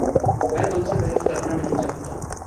मैं तुम से बहस करना नहीं चाहता।